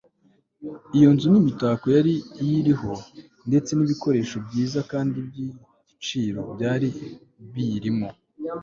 iyo nzu n'imitako yari iyiriho ndetse n'ibikoresho byiza kandi by'igiciro byari biyirimo